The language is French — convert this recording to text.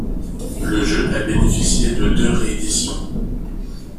Le jeu a bénéficié de deux rééditions.